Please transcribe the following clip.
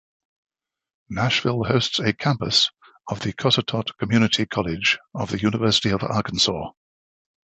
Nashville hosts a campus of the Cossatot Community College of the University of Arkansas.